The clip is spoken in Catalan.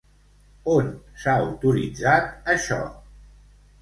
On s'ha autoritzat això?